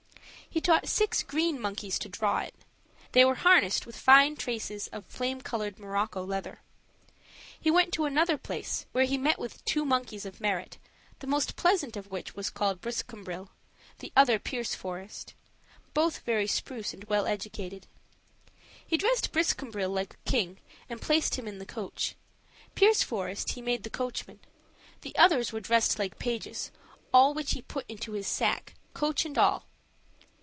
He taught six green monkeys to draw it; they were harnessed with fine traces of flame colored morocco leather. He went to another place, where he met with two monkeys of merit, the most pleasant of which was called Briscambril, the other Pierceforest both very spruce and well educated. He dressed Briscambril like a king and placed him in the coach; Pierceforest he made the coachman; the others were dressed like pages; all which he put into his sack, coach and all.